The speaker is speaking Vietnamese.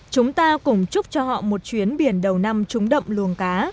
chúng ta cùng chúc cho họ một chuyến biển đầu năm trúng đậm luồng cá